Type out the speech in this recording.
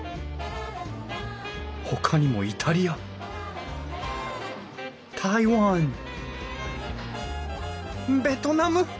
ほかにもイタリア台湾ベトナム！